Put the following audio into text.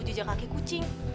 jejak kaki kucing